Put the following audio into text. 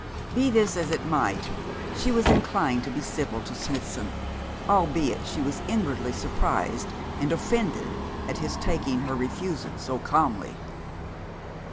Be this as it might she was inclined to be civil to Smithson, albeit she was inwardly surprised and offended at his taking her refusal so calmly.